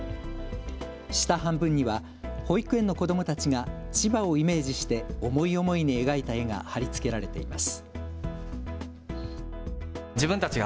下半分には保育園の子どもたちが千葉をイメージして思い思いに描いた絵が貼り付けられています。